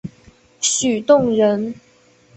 许洞人。